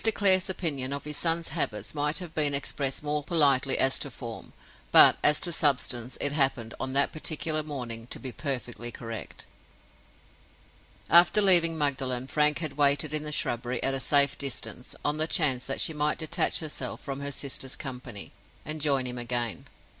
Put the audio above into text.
Clare's opinion of his son's habits might have been expressed more politely as to form; but, as to substance, it happened, on that particular morning, to be perfectly correct. After leaving Magdalen, Frank had waited in the shrubbery, at a safe distance, on the chance that she might detach herself from her sister's company, and join him again. Mr.